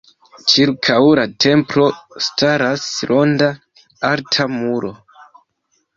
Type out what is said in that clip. Ĉirkaŭ la templo staras ronda alta muro.